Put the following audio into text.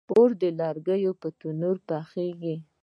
اوړه د لرګي پر تنور پخیږي